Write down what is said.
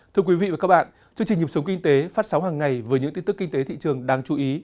thưa quý vị và các bạn chương trình nhịp sống kinh tế phát sóng hàng ngày với những tin tức kinh tế thị trường đáng chú ý